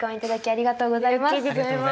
ありがとうございます。